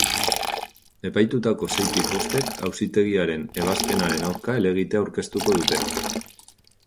Epaitutako seitik bostek auzitegiaren ebazpenaren aurka helegitea aurkeztuko dute.